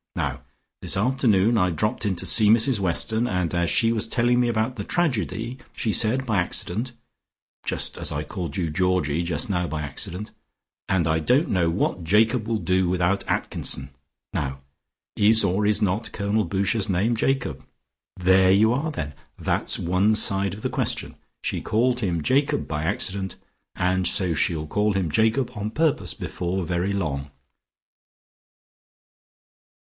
Now this afternoon I dropped in to see Mrs Weston and as she was telling me about the tragedy, she said by accident (just as I called you Georgie just now by accident) 'And I don't know what Jacob will do without Atkinson.' Now is or is not Colonel Boucher's name Jacob? There you are then! That's one side of the question. She called him Jacob by accident and so she'll call him Jacob on purpose before very long."